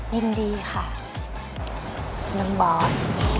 ยินดีค่ะน้องบอส